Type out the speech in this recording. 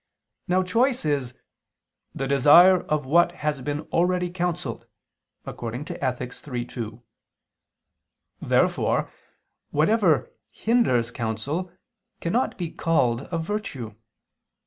Now choice is "the desire of what has been already counselled" (Ethic. iii, 2). Therefore whatever hinders counsel cannot be called a virtue.